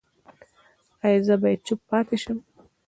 ایا زه باید چوپ پاتې شم؟